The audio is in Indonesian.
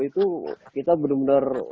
itu kita benar benar